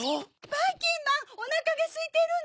ばいきんまんおなかがすいてるの？